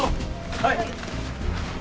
はい。